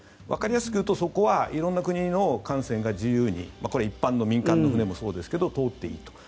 わかりやすく言うとそこは色んな国の艦船が自由にこれ、一般の民間の船もそうですが通っていいと。